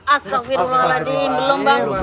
astagfirullahaladzim belum bang